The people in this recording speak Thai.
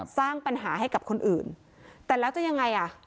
สร้างปัญหาให้กับคนอื่นแต่แล้วจะยังไงอ่ะ